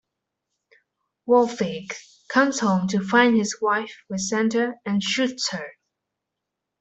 Wolfy comes home to find his wife with Santa, and shoots her.